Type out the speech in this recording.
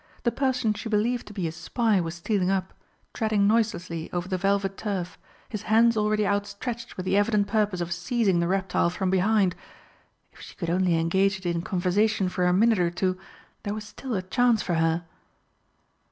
The person she believed to be a spy was stealing up, treading noiselessly over the velvet turf, his hands already outstretched with the evident purpose of seizing the reptile from behind. If she could only engage it in conversation for a minute or two, there was still a chance for her.